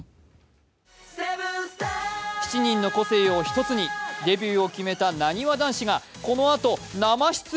７人の個性を１つにデビューを決めたなにわ男子がこのあと生出演。